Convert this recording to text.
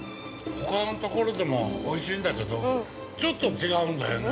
◆ほかのところでもおいしいんだけどちょっと違うんだよね。